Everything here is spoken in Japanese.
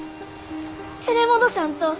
連れ戻さんと！